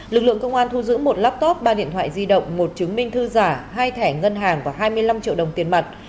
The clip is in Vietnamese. lực lượng công an thu giữ một laptop ba điện thoại di động một chứng minh thư giả hai thẻ ngân hàng và hai mươi năm triệu đồng tiền mặt